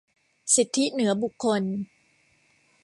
สิทธิเหนือบุคคล